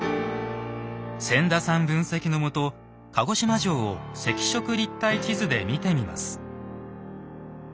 千田さん分析のもと鹿児島城を赤色立体地図で見てみます。